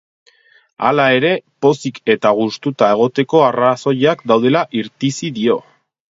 Hala ere, pozik eta gustuta egoteko arrazoiak daudela irtizi dio.